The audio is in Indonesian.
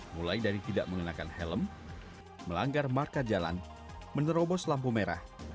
mulai dari tidak mengenakan helm melanggar marka jalan menerobos lampu merah